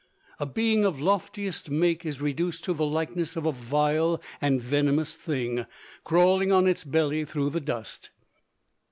A being of loftiest make is reduced to the likeness of a vile and venomous thing, crawling on its belly through the dust.